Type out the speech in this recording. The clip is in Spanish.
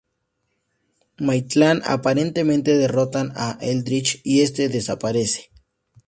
Maitland, aparentemente derrotan a Eldritch, y este desaparece.